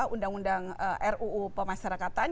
undang undang ruu pemasarakatan